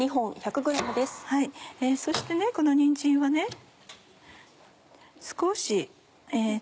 そしてこのにんじんを少し。